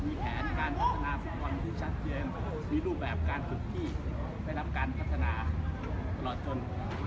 มีแผนการพัฒนาสุขความรู้ชัดเย็นมีรูปแบบการฝึกที่ไปรับการพัฒนาตลอดตน